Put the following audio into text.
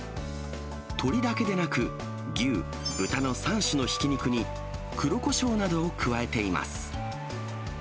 鶏だけでなく、牛、豚の３種のひき肉に、黒こしょうなどを加えています。